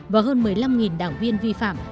và hơn một mươi năm đảng viên vi phạm